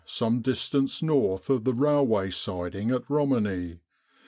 in Egypt distance north of the railway siding at Romani.